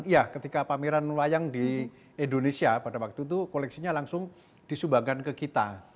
ya ketika pameran wayang di indonesia pada waktu itu koleksinya langsung disumbangkan ke kita